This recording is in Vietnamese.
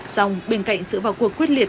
xong bên cạnh sự vào cuộc quyết liệt